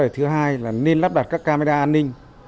thứ hai là nên lắp đặt các camera an ninh